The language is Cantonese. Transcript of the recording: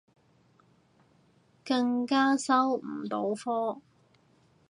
更加收唔到科